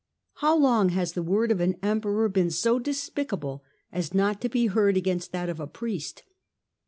How long has the word of an Emperor been so despicable as not to be heard against that of a priest